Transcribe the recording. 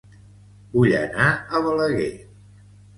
Vull anar a Balaguer